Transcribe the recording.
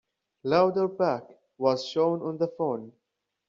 Louderback was shown on the phone.